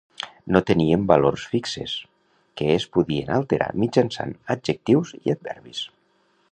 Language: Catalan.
No tenien valors fixes, que es podien alterar mitjançant adjectius i adverbis.